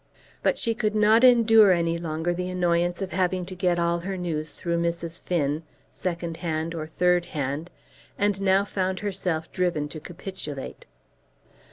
But she could not endure any longer the annoyance of having to get all her news through Mrs. Finn, second hand, or third hand, and now found herself driven to capitulate.